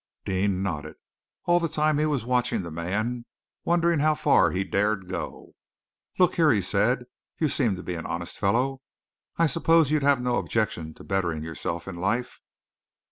Deane nodded. All the time he was watching the man, wondering how far he dared go. "Look here," he said "you seem an honest fellow. I suppose you'd have no objection to bettering yourself in life?"